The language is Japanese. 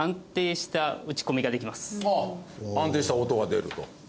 安定した音が出ると。